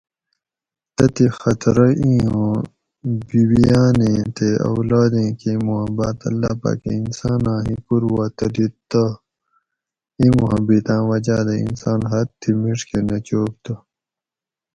تتھیں خطرہ اِیں اُوں بی بیانیں تی اولادیں کیں محبت اللّٰہ پاۤکہ انساناں ہعکور وا تلیت تہ ایں محبتاۤں وجاۤ دہ انسان حد تھی مِڛ کہ نہ چوگ تہ